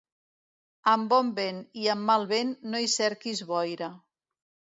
Amb bon vent i amb mal vent, no hi cerquis boira.